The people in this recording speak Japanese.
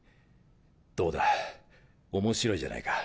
どうだ面白いじゃないか。